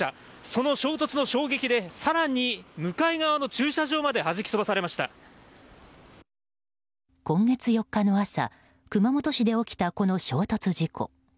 その衝突の衝撃で更に向かい側の駐車場まで今月４日の朝熊本市で起きたこの衝突事故。